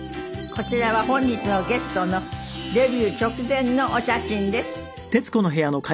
こちらは本日のゲストのデビュー直前のお写真です。